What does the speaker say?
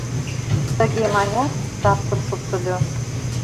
— Тыге манят, сапшым шупшыльо.